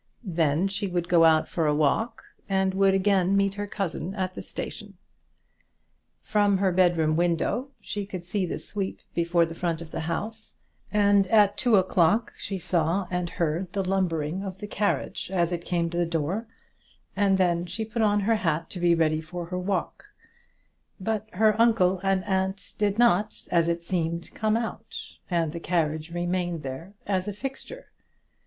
Then she would go out for a walk, and would again meet her cousin at the station. From her bedroom window she could see the sweep before the front of the house, and at two o'clock she saw and heard the lumbering of the carriage as it came to the door, and then she put on her hat to be ready for her walk; but her uncle and aunt did not, as it seemed, come out, and the carriage remained there as a fixture.